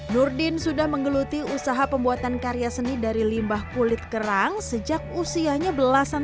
nurdin sudah menggeluti usaha pembuatan karya seni dari limbah kulit kerang sejak usianya belasan tahun